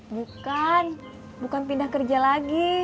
bukan bukan pindah kerja lagi